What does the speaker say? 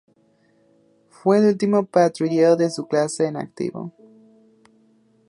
Fue el último patrullero de su clase en activo.